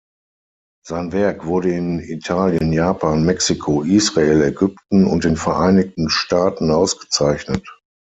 Sein Werk wurde in Italien, Japan, Mexiko, Israel, Ägypten und den Vereinigten Staaten ausgezeichnet.